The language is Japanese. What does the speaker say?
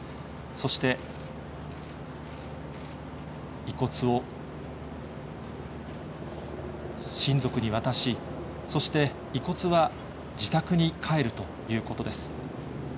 そして、遺骨を、親族に渡し、そして遺骨は自宅に帰るということです。